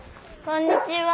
こんにちは。